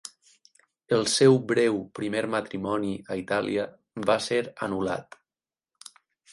El seu breu primer matrimoni a Itàlia va ser anul·lat.